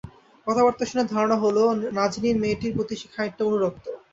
কথাবার্তা শুনে ধারণা হলো, নাজনীন মেয়েটির প্রতি সে খানিকটা অনুরক্ত।